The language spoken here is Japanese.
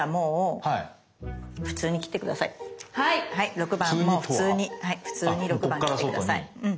６番も普通に普通に６番切って下さい。